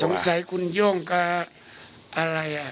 จงใช้คุณย่วงกับอะไรอ่ะ